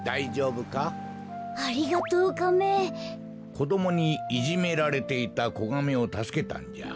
こどもにいじめられていたこガメをたすけたんじゃ。